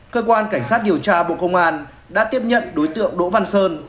cơ quan cảnh sát điều tra bộ công an đã tiếp nhận đối tượng đỗ văn sơn